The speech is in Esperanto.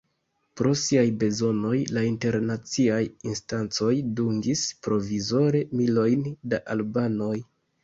Pro siaj bezonoj, la internaciaj instancoj dungis provizore milojn da albanoj.